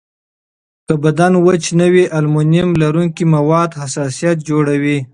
که بدن وچ نه وي، المونیم لرونکي مواد حساسیت جوړوي.